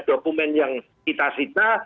dokumen yang kita cita